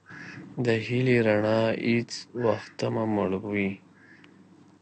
د هیلې رڼا هیڅ وختمه مړوئ.